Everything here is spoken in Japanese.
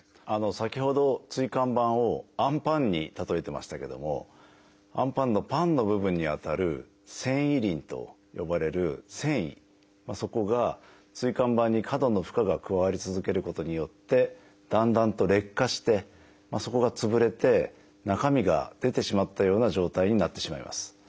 先ほど椎間板をあんパンに例えてましたけどもあんパンのパンの部分にあたる「線維輪」と呼ばれる線維そこが椎間板に過度の負荷が加わり続けることによってだんだんと劣化してそこが潰れて中身が出てしまったような状態になってしまいます。